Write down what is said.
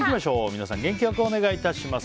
皆さん元気よくお願いします。